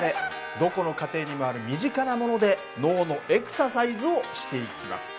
どこの家庭にもある身近なもので脳のエクササイズをしていきます。